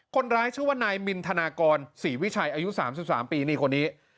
คนร้ายชื่อว่านายมินธนากรศรีวิชัยอายุ๓๓ปีนี่คนนี้